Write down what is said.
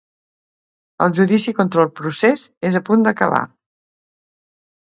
El judici contra el procés és a punt d’acabar.